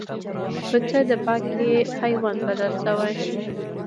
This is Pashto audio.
پسه د پاکۍ حیوان بلل شوی.